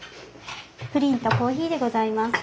プリンとコーヒーでございます。